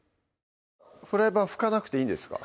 フライパン拭かなくていいんですか？